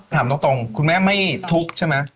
ถามตรงคุณแม่ไม่ทุกข์ใช่ไหม